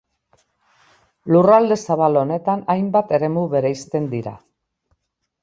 Lurralde zabal honetan, hainbat eremu bereizten dira.